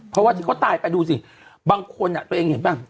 เพราะว่าที่เขาตายไปดูสิบางคนตัวเองเห็นป่ะ